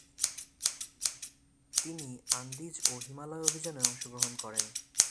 তিনি আন্দিজ ও হিমালয় অভিযানেও অংশগ্রহণ করেন।